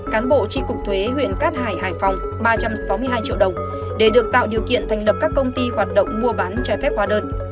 cán bộ tri cục thuế huyện cát hải hải phòng ba trăm sáu mươi hai triệu đồng để được tạo điều kiện thành lập các công ty hoạt động mua bán trái phép hóa đơn